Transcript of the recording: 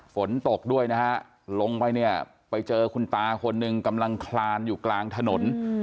ฝนตกด้วยนะลงไปเป็นคุณตาคนคลานอยู่กลางถนน